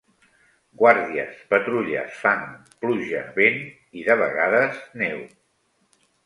Guàrdies, patrulles, fang, pluja, vent, i de vegades neu